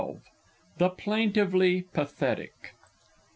] XII. THE PLAINTIVELY PATHETIC.